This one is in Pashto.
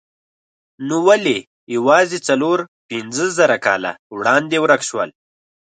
نو ولې یوازې څلور پنځه زره کاله وړاندې ورک شول؟